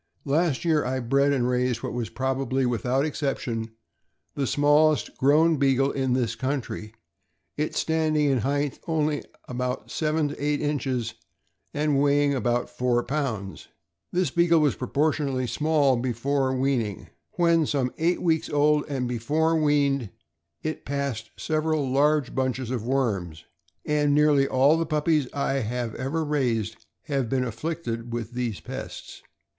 Last year I bred and raised what wa,s probably, without exception, THE BEAGLE HOUND. 281 the smallest grown Beagle in this country, it standing in height only about seven to eight inches and weighing about four pounds. This Beagle was proportionately small before weaning. When some eight weeks old, and before weaned, it passed several large bunches of worms; and nearly all the puppies I have ever raised have been afflicted with these pests.